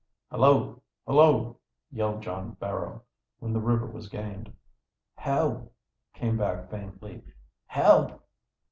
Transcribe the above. "Hullo! hullo!" yelled John Barrow, when the river was gained. "Help!" came back faintly. "Help!"